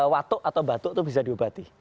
watuk atau batuk itu bisa diubati